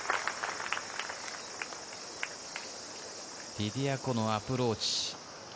リディア・コのアプローチ。